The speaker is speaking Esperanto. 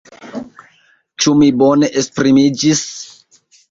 Ĉu mi bone esprimiĝis?